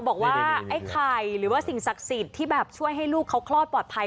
บอกว่าไอ้ไข่หรือว่าสิ่งศักดิ์สิทธิ์ที่แบบช่วยให้ลูกเขาคลอดปลอดภัย